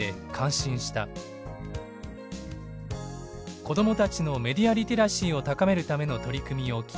「子どもたちのメディアリテラシーを高めるための取り組みを期待している」。